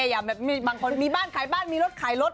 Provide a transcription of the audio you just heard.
อย่างแบบมีบางคนมีบ้านขายบ้านมีรถขายรถ